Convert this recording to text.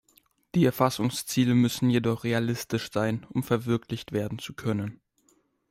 Die Erfassungsziele müssen jedoch realistisch sein, um verwirklicht werden zu können.